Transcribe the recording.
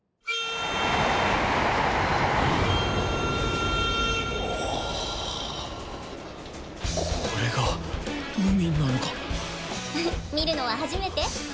フフッ見るのは初めて？